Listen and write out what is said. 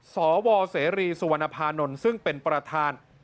สวเสรีสุวรรณภานนท์ซึ่งเป็นประธาน